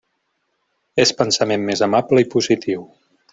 És pensament més amable i positiu.